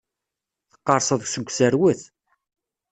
Teqqerṣeḍ seg userwet.